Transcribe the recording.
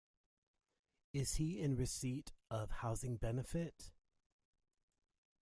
Is he in receipt of housing benefit?